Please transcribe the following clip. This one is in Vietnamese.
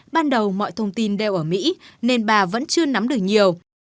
ban đầu mọi thông tin đều ở mỹ nên bà vẫn chưa nắm được nhiều